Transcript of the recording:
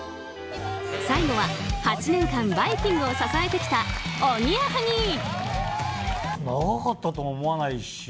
最後は、８年間「バイキング」を支えてきたおぎやはぎ。